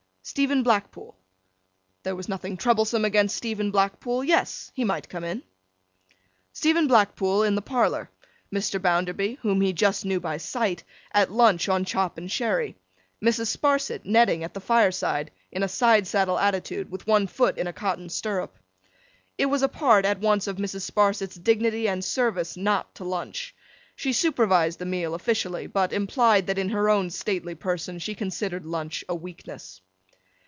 Stephen Blackpool. There was nothing troublesome against Stephen Blackpool; yes, he might come in. Stephen Blackpool in the parlour. Mr. Bounderby (whom he just knew by sight), at lunch on chop and sherry. Mrs. Sparsit netting at the fireside, in a side saddle attitude, with one foot in a cotton stirrup. It was a part, at once of Mrs. Sparsit's dignity and service, not to lunch. She supervised the meal officially, but implied that in her own stately person she considered lunch a weakness.